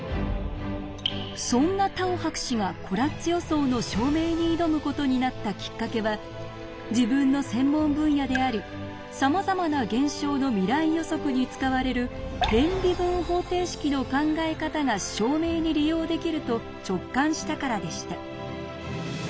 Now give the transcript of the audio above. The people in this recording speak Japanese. そんなタオ博士がコラッツ予想の証明に挑むことになったきっかけは自分の専門分野でありさまざまな現象の未来予測に使われる偏微分方程式の考え方が証明に利用できると直感したからでした。